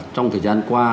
trong thời gian qua